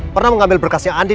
pernah mengambil berkasnya andin